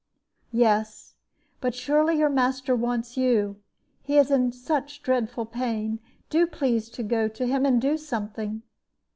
"Yes; but surely your master wants you he is in such dreadful pain. Do please to go to him, and do something."